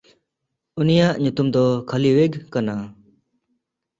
ᱩᱱᱤᱭᱟᱜ ᱧᱩᱛᱩᱢ ᱫᱚ ᱠᱟᱭᱞᱤᱣᱮᱜᱷ ᱠᱟᱱᱟ᱾